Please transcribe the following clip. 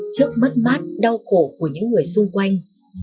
trước mất mát đau khổ của những người xung quanh